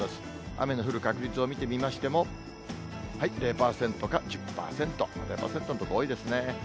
雨の降る確率を見てみましても、０％か１０％、０％の所多いですね。